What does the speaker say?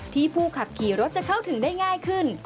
ผู้ขับขี่รถจะเข้าถึงได้ง่ายขึ้น